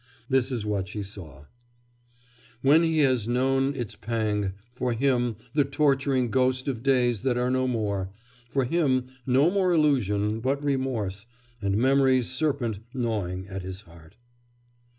This is what she saw: 'When he has known its pang, for him The torturing ghost of days that are no more, For him no more illusion, but remorse And memory's serpent gnawing at his heart.